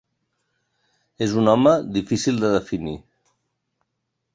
És un home difícil de definir.